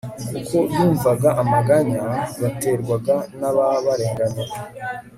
kuko yumvaga amaganya baterwaga n'ababarenganya